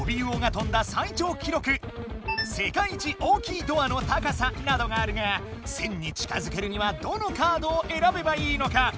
まずは野田エンジ！などがあるが１，０００に近づけるにはどのカードをえらべばいいのか？